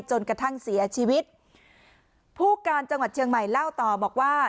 จนกระทั่งเสียชีวิตผู้การจังหวัดเชียงใหม่เล่าต่อบอกว่า